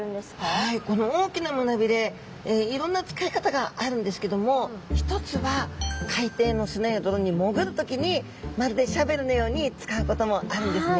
はいこの大きな胸鰭いろんな使い方があるんですけども一つは海底の砂や泥に潜る時にまるでシャベルのように使うこともあるんですね。